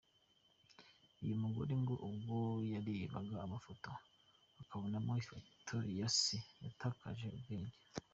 Uyu mugore ngo ubwo yarebaga amafoto akabonamo ifoto ya se yatakaje ubwenge.